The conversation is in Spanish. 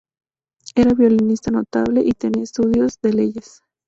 Era violinista notable y tenía estudios de leyes.